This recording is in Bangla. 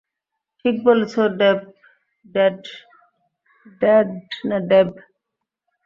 ঠিক বলেছ, ডেভ।